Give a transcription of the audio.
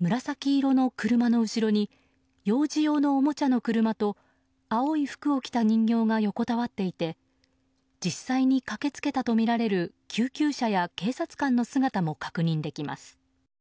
紫色の車の後ろに幼児用のおもちゃの車と青い服を着た人形が横たわっていて実際に駆け付けたとみられる救急車や警察官の姿も確認できます。